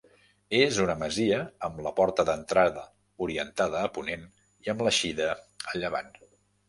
És una masia amb la porta d'entrada orientada a ponent i amb l'eixida a llevant.